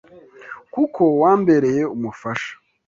Kuko wambereye umufasha